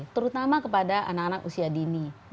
terutama kepada anak anak usia dini